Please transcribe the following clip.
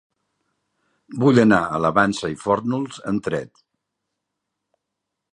Vull anar a la Vansa i Fórnols amb tren.